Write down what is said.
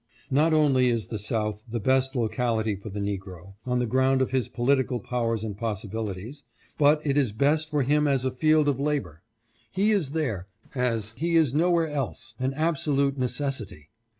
" Not only is the South the best locality for the Negro, on the ground of his political powers and possibilities, but it is best for him as a field of labor. He is there, as he is nowhere else, an absolute necessity.